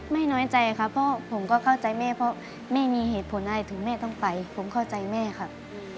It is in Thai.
น้อยใจครับเพราะผมก็เข้าใจแม่เพราะแม่มีเหตุผลอะไรถึงแม่ต้องไปผมเข้าใจแม่ครับ